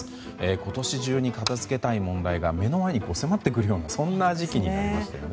今年中に片づけたい問題が目の前に迫ってくるような時期になりましたね。